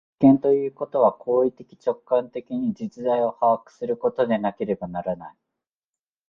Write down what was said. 実験ということは行為的直観的に実在を把握することでなければならない。